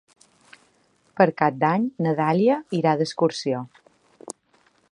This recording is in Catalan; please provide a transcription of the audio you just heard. Per Cap d'Any na Dàlia irà d'excursió.